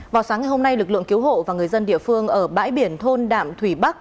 vào sáng ngày hôm nay lực lượng cứu hộ và người dân địa phương ở bãi biển thôn đạm thủy bắc